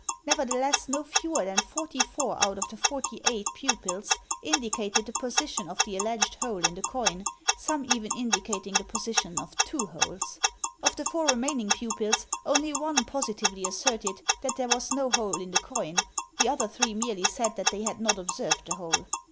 Nevertheless no fewer than forty four out of the forty eight pupils indicated the position of the alleged hole in the coin, some even indicating the position of two holes. Of the four remaining pupils, only one positively asserted that there was no hole in the coin, the other three merely said that they had not observed the hole.